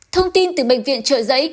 thông tin từ bệnh viện trợ giấy